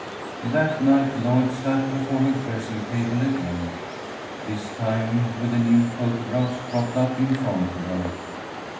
That night Lloyd sat before her dressing table again, this time with the new photographs propped up in front of her.